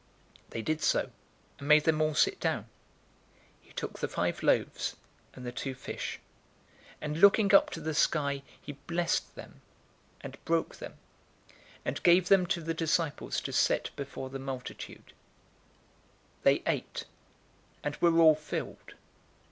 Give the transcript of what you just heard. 009:015 They did so, and made them all sit down. 009:016 He took the five loaves and the two fish, and looking up to the sky, he blessed them, and broke them, and gave them to the disciples to set before the multitude. 009:017 They ate, and were all filled.